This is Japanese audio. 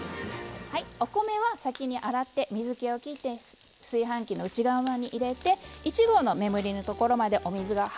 お米は先に洗って水けをきって炊飯器の内釜に入れて１合の目盛りのところまでお水が入っています。